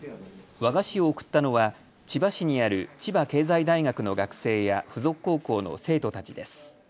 私を贈ったのは千葉市にある千葉経済大学の学生や付属高校の生徒たちです。